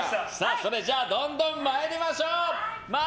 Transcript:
それじゃ、どんどん参りましょう。